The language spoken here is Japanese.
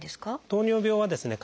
糖尿病はですね